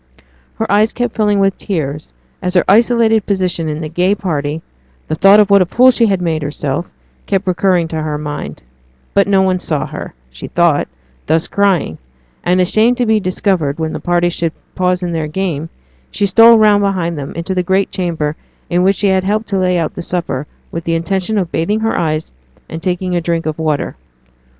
Her eyes kept filling with tears as her isolated position in the gay party, the thought of what a fool she had made of herself, kept recurring to her mind; but no one saw her, she thought, thus crying; and, ashamed to be discovered when the party should pause in their game, she stole round behind them into the great chamber in which she had helped to lay out the supper, with the intention of bathing her eyes, and taking a drink of water.